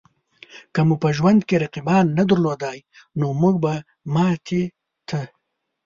که مو په ژوند کې رقیبان نه درلودای؛ نو مونږ به ماتې ته